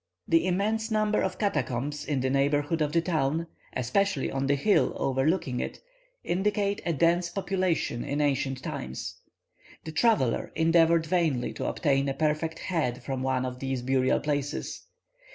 The immense number of catacombs in the neighbourhood of the town, especially on the hill overlooking it, indicate a dense population in ancient times. The traveller endeavoured vainly to obtain a perfect head from one of these burial places.